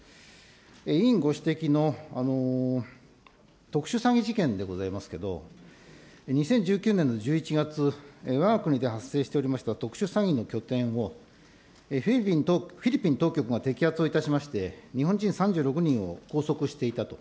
委員ご指摘の特殊詐欺事件でございますけど、２０１９年の１１月、わが国で発生しておりました特殊詐欺の拠点をフィリピン当局が摘発をいたしまして、日本人３６人を拘束していたと。